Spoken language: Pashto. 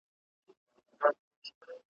نه په شرم نه گناه به څوك پوهېږي ,